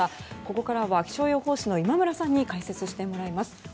ここからは気象予報士の今村さんに解説してもらいます。